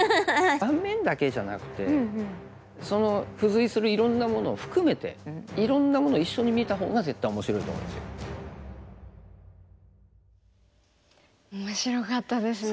盤面だけじゃなくてその付随するいろんなものを含めていろんなものを一緒に見たほうが絶対面白いと思うんですよ。面白かったですね。